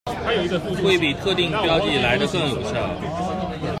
會比特定標記來得更有效